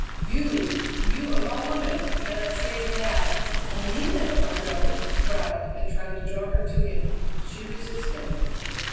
"You you of all women, cannot say that and mean it, my darling!" he cried, and tried to draw her to him. She resisted.